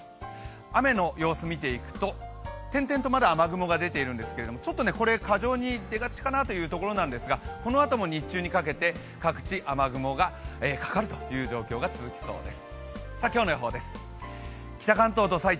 雨の様子を見ていくと、点々とまだ雨雲が出ているんですがちょっと過剰に出がちかなというところなんですがこのあとも日中にかけて各地、雨雲がかかるという状況が続きそうです。